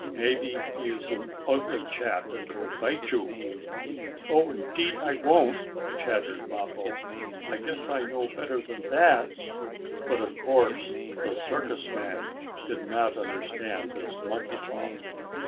"Maybe he is an ugly chap, and will bite you." "Oh, indeed I won't!" chattered Mappo. "I guess I know better than that!" But of course the circus man did not understand this monkey talk.